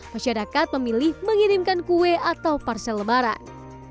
masyarakat memilih mengirimkan kue atau parsel lebaran